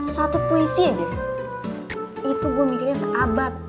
satu puisi aja itu gue mikirnya seabad